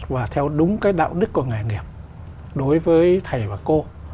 và theo đúng cái đạo đức của nghề nghiệp đối với thầy và cô